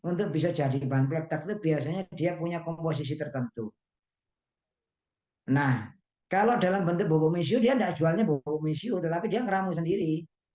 nah kalau dalam bentuk bobo mishu dia nggak jualnya bobo mishu tetapi dia ngeramu sendiri